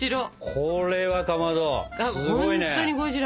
これはかまどすごいね。